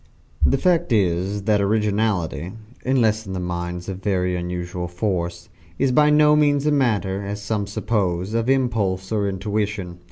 The fact is that originality (unless in minds of very unusual force) is by no means a matter, as some suppose, of impulse or intuition.